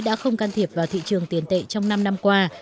đã không can thiệp vào thị trường tiền tệ trong năm năm qua